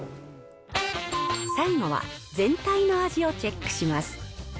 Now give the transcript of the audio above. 最後は全体の味をチェックします。